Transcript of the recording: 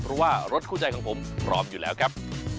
เพราะว่ารถคู่ใจของผมพร้อมอยู่แล้วครับ